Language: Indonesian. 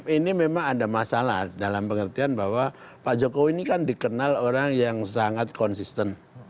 ini memang ada masalah dalam pengertian bahwa pak jokowi ini kan dikenal orang yang sangat konsisten